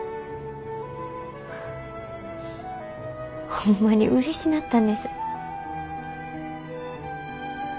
ホンマにうれしなったんです。